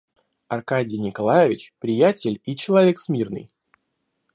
Аркадий Николаевич приятель и человек смирный.